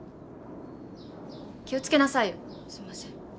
気をつけなさいよすいません